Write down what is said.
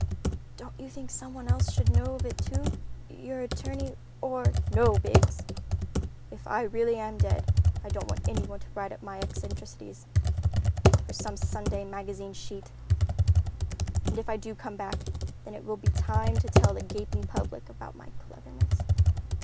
"Don't you think someone else should know of it too? Your attorney, or——" "No, Biggs. If I really am dead I don't want anyone to write up my eccentricities for some Sunday magazine sheet. And if I do come back, then it will be time to tell the gaping public about my cleverness."